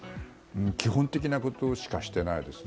基本的なことしかしてないですね。